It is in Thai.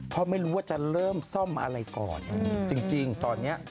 พอไม่รู้ว่าจะเริ่มซ่อมมาอะไรก่อน